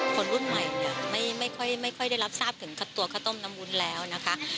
คนรุ่นใหม่เนี่ยไม่ค่อยได้รับทราบถึงตัวข้าวต้มน้ำวุ้นแล้วนะคะ